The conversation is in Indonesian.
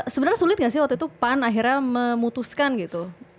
sebenarnya sulit nggak sih waktu itu pan akhirnya memutuskan gitu